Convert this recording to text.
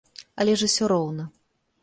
Але ж усё роўна.